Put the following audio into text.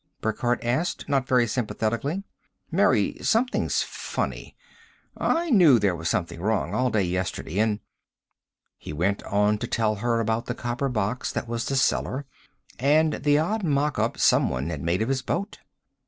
Burckhardt asked, not very sympathetically. "Mary, something's funny! I knew there was something wrong all day yesterday and " He went on to tell her about the copper box that was the cellar, and the odd mock up someone had made of his boat.